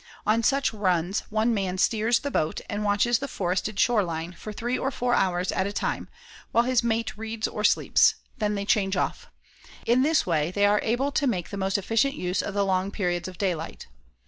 On such runs one man steers the boat and watches the forested shoreline for three or four hours at a time, while his mate reads or sleeps; then they change off. In this way, they are able to make the most efficient use of the long periods of daylight.